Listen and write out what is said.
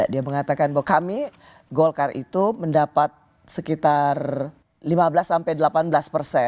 dia mengatakan bahwa kami golkar itu mendapat sekitar lima belas sampai delapan belas persen